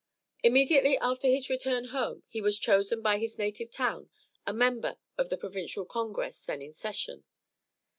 Immediately after his return home he was chosen by his native town a member of the provincial congress then in session.